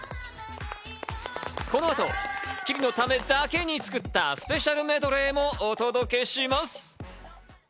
この後『スッキリ』のためだけに作ったスペシャルメドレーもお届けします。